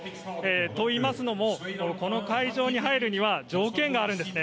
といいますのもこの会場に入るには条件があるんですね。